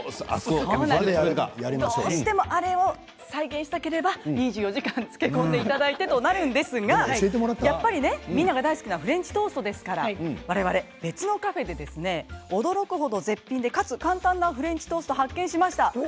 再現したければ１２時間漬け込んでとなるんですがやっぱりみんなが好きなフレンチトーストですから我々、別のカフェで驚く程、絶品でかつ簡単なフレンチトーストを発見しました。